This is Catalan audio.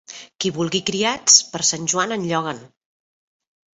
Qui vulgui criats, per Sant Joan en lloguen.